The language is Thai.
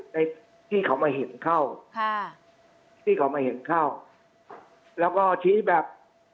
ที่เขามาเห็นเข้าค่ะที่เขามาเห็นเข้าแล้วก็ชี้แบบ